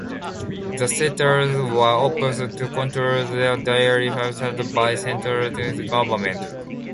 The settlers were opposed to control of their daily affairs by the centralist government.